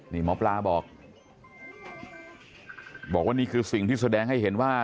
นี่หมอปลาบอกบอกว่านี่คือสิ่งที่แสดงให้เห็นว่า